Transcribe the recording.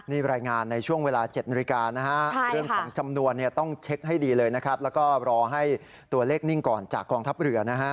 นี่รายงานในช่วงเวลา๗นาฬิกานะฮะเรื่องของจำนวนเนี่ยต้องเช็คให้ดีเลยนะครับแล้วก็รอให้ตัวเลขนิ่งก่อนจากกองทัพเรือนะฮะ